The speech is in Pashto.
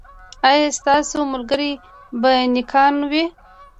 ایا ستاسو ملګري به نیکان وي؟